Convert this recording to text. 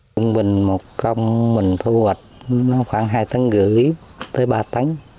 trung bình một công mình thu hoạch khoảng hai tấn rưỡi tới ba tấn